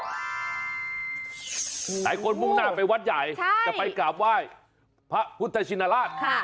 หลายคนมุ่งหน้าไปวัดใหญ่จะไปกราบไหว้พระพุทธชินราช